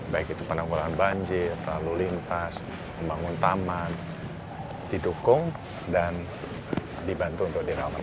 baik itu penanggulangan banjir lalu lintas membangun taman didukung dan dibantu untuk dirawat